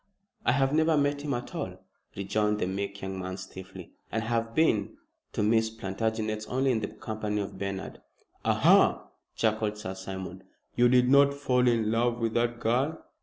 "I have never met him at all," rejoined the meek young man stiffly, "and I have been to Miss Plantagenet's only in the company of Bernard." "Aha!" chuckled Sir Simon. "You did not fall in love with that girl?"